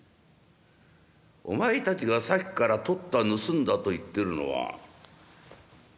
お前たちがさっきからとった盗んだと言ってるのは」。